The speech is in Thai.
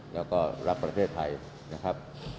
แล้วก็รักประเทศไทยนะครับ